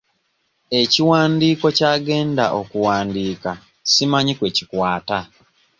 Ekiwandiiko ky'agenda okuwandiika simanyi kwe kikwata.